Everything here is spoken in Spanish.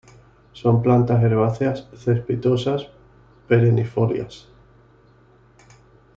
Son plantas herbáceas cespitosas perennifolias.